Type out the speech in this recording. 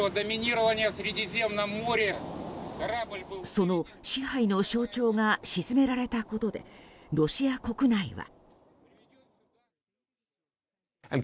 その支配の象徴が沈められたことでロシア国内は。